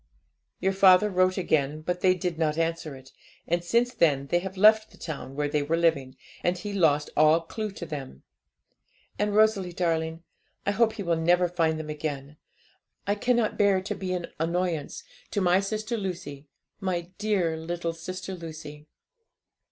'Your father wrote again; but they did not answer it, and since then they have left the town where they were living, and he lost all clue to them. And, Rosalie darling, I hope he will never find them again. I cannot bear to be an annoyance to my sister Lucy my dear little sister Lucy.